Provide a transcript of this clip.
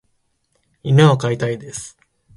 犬を飼いたいです。